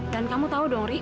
dan kamu tahu dong ri